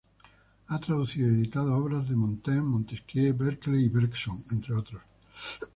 Ha traducido y editado obras de Montaigne, Montesquieu, Berkeley y Bergson, entre otros.